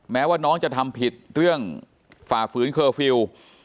แม้ว่าน้องจะทำผิดเรื่องฝ่าฝืนเคอร์ฟิลล์